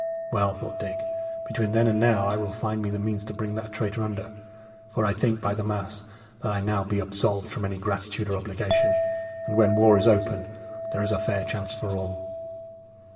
"Well," thought Dick, "between then and now I will find me the means to bring that traitor under; for I think, by the mass, that I be now absolved from any gratitude or obligation; and when war is open, there is a fair chance for all."